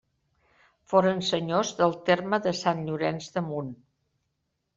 Foren senyors del terme de Sant Llorenç de Munt.